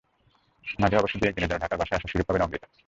মাঝে অবশ্য দু-এক দিনের জন্য ঢাকায় বাসায় আসার সুযোগ পাবেন অমৃতা।